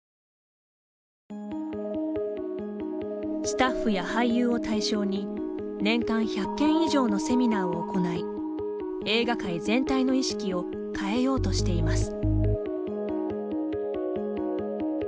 スタッフや俳優を対象に年間１００件以上のセミナーを行い映画界全体の意識を変えようとしています。